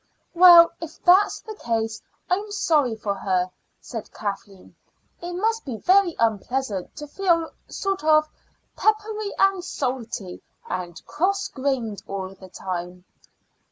"Well, if that's the case I'm sorry for her," said Kathleen. "It must be very unpleasant to feel sort of peppery and salty and cross grained all the time."